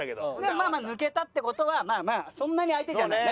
まあまあ抜けたって事はまあまあそんなに相手じゃないね。